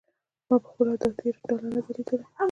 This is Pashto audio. ما پخپله د تیراه ډله نه ده لیدلې.